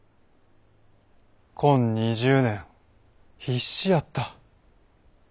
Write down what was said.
こん２０年必死やった。